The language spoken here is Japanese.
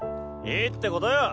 いいってことよ！